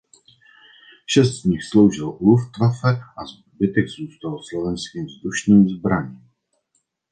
Šest z nich sloužilo u Luftwaffe a zbytek zůstal Slovenským vzdušným zbraním.